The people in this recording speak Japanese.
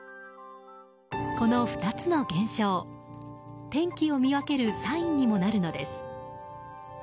この２つの現象、天気を見分けるサインにもなるのです。